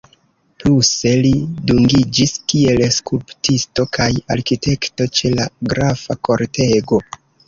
Pluse li dungiĝis kiel skulptisto kaj arkitekto ĉe la grafa kortego.